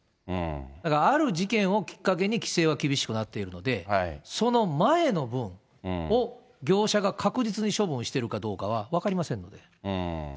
だから、ある事件をきっかけに、規制は厳しくなっているので、その前の分を業者が確実に処分をしているかどうかは分かりませんので。